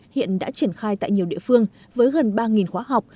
hiện đã triển khai tại nhiều địa phương với gần ba khóa học